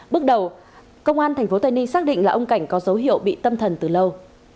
bước đầu công an tp tây ninh xác định là ông cảnh có dấu hiệu bị tâm thần từ lâu